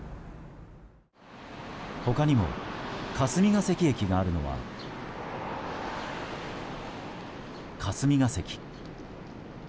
他にも、霞ケ関駅があるのは霞が関。